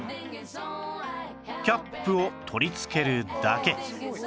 キャップを取りつけるだけ